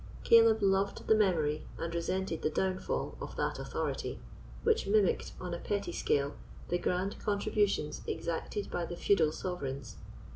Caleb loved the memory and resented the downfall of that authority, which mimicked, on a petty scale, the grand contributions exacted by the feudal sovereigns.